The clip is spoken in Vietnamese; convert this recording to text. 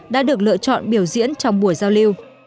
đã được lựa chọn biểu diễn trong buổi giao lưu